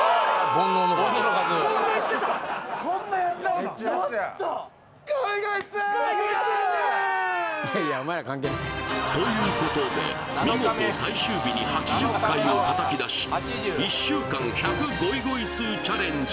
オーッ！ということで見事最終日に８０回をたたき出し１週間１００ごいごいすーチャレンジ